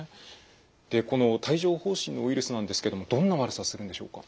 でこの帯状ほう疹のウイルスなんですけどもどんな悪さするんでしょうか？